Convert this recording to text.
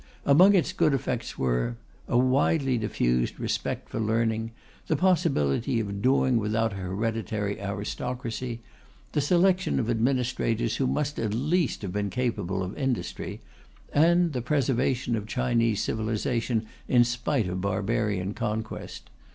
Among its good effects were: A widely diffused respect for learning; the possibility of doing without a hereditary aristocracy; the selection of administrators who must at least have been capable of industry; and the preservation of Chinese civilization in spite of barbarian conquest.